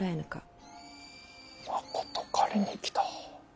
まこと狩りに来た。